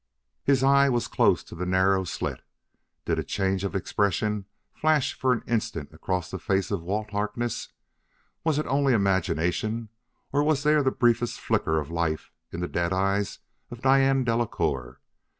His eye was close to the narrow slit. Did a change of expression flash for an instant across the face of Walt Harkness? Was it only imagination, or was there the briefest flicker of life in the dead eyes of Diane Delacouer?